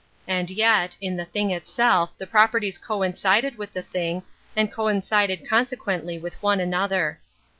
And yet, in the thing itself the properties coincided with the thing, and coincided consequently with one another.